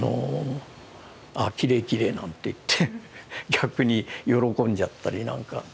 「あきれいきれい」なんて言って逆に喜んじゃったりなんか。